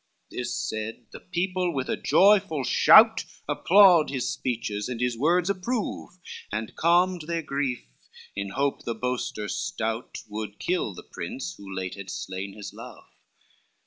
CV This said, the people with a joyful shout Applaud his speeches and his words approve, And calmed their grief in hope the boaster stout Would kill the prince, who late had slain his love.